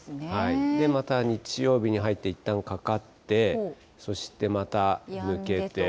また日曜日に入って、いったんかかって、そしてまた抜けて。